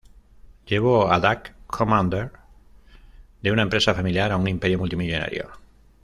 Llevó a Duck Commander de una empresa familiar a un imperio multimillonario.